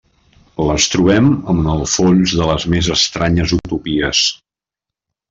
Les trobem en el fons de les més estranyes utopies.